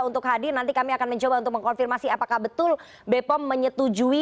untuk hadir nanti kami akan mencoba untuk mengkonfirmasi apakah betul bepom menyetujui